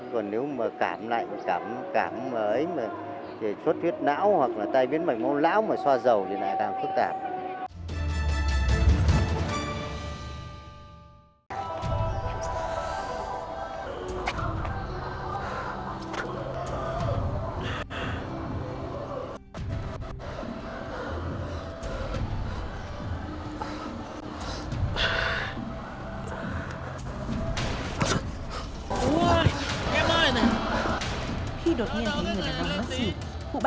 còn nếu mà càm lạnh càm ấy chốt huyết não hoặc là tay biến mạch môn lão mà xoa dầu thì lại đang phức tạp